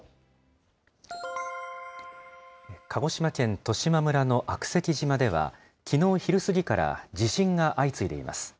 鹿児島県十島村の悪石島では、きのう昼過ぎから、地震が相次いでいます。